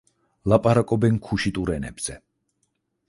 ლაპარაკობენ ქუშიტურ ენებზე.